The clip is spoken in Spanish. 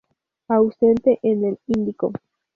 Ausente en el Índico.